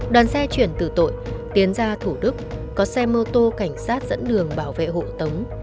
đoàn xe chuyển từ tội tiến ra thủ đức có xe mô tô cảnh sát dẫn đường bảo vệ hộ tống